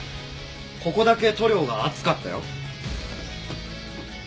ここだけ塗料が厚かったよ。